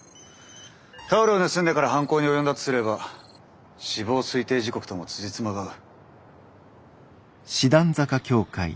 タオルを盗んでから犯行に及んだとすれば死亡推定時刻ともつじつまが合う。